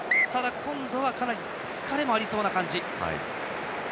今度はかなり疲れもありそうな感じ。